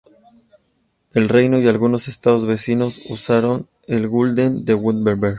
El reino y algunos estados vecinos usaron el gulden de Wurtemberg.